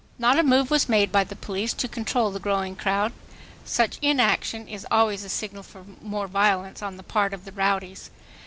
Not a move was made by the police to control the growing crowd. Such inaction is always a signal for more violence on the part of rowdies.